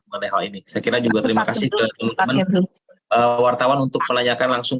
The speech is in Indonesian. mengenai hal ini saya kira juga terima kasih ke teman teman wartawan untuk menanyakan langsung